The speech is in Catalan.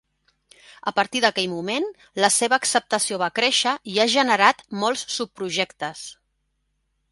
A partir d'aquell moment, la seva acceptació va créixer i ha generat molts subprojectes.